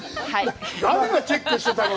誰がチェックしてたの？